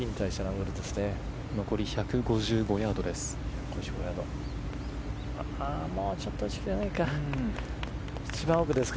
残り１５５ヤードです。